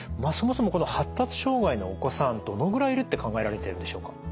そもそもこの発達障害のお子さんどのぐらいいるって考えられているんでしょうか？